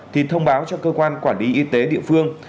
thì thông báo cho cơ quan quản lý y tế địa phương